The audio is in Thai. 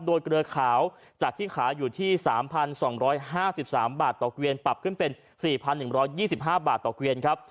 โดยเกลือขาวจากที่ขายอยู่ที่๓๒๕๓บาทต่อเกวียนปรับขึ้นเป็น๔๑๒๕บาทต่อเกวียนครับ